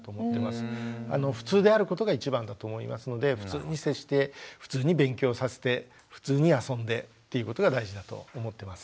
普通であることが一番だと思いますので普通に接して普通に勉強させて普通に遊んでっていうことが大事だと思ってます。